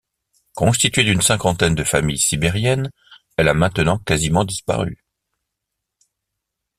Constituée d'une cinquantaine de familles sibériennes, elle a maintenant quasiment disparu.